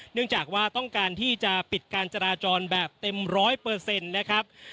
เนื่องจากว่าต้องการที่จะปิดการจราจรแบบเต็มร้อยเปอร์เซ็นต์นะครับ